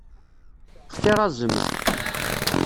Xtir azemz.